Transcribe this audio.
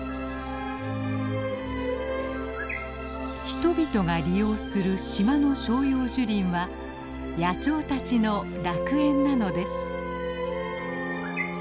人々が利用する島の照葉樹林は野鳥たちの楽園なのです。